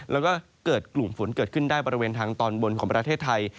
แล้วก็เกิดกลุ่มฝนเกิดขึ้นได้บริเวณทางตอนบนของประเทศไทย